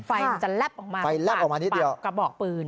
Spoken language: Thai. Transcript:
ไฟมันจะแล็บออกมาปากกระบอกปืน